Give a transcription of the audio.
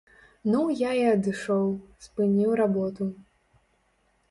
Ну я і адышоў, спыніў работу.